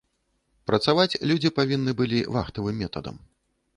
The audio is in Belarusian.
Працаваць людзі павінны былі вахтавым метадам.